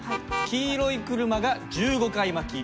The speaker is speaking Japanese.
黄色い車が１５回巻き。